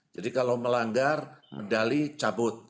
jadi kalau melanggar medali cabut